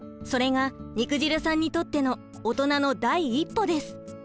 それが肉汁さんにとってのオトナの第一歩です。